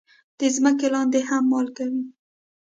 د ځمکې لاندې هم مالګه وي.